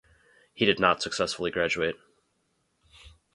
He did not successfully graduate.